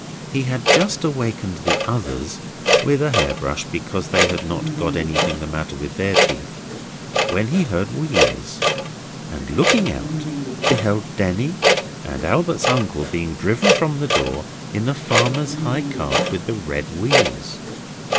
He had just awakened the others (with a hair brush because they had not got anything the matter with their teeth), when he heard wheels, and, looking out, beheld Denny and Albert's uncle being driven from the door in the farmer's high cart with the red wheels.